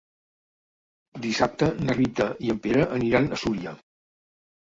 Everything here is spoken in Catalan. Dissabte na Rita i en Pere aniran a Súria.